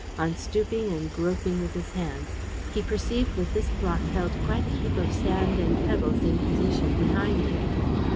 On stooping and groping with his hands, he perceived that this block held quite a heap of sand and pebbles in position behind it.